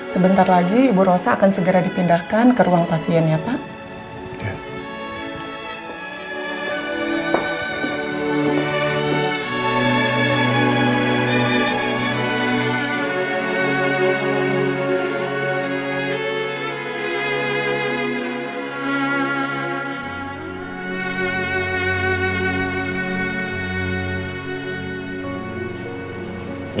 sebentar lagi bu rosa akan segera dipindahkan ke ruang pasien ya pak